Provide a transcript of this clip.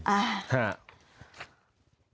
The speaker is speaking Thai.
อ่า